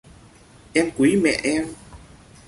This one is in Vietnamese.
Em quý mẹ em